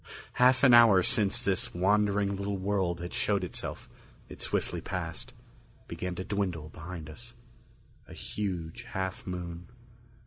Half an hour since this wandering little world had showed itself, it swiftly passed, began to dwindle behind us. A huge half moon.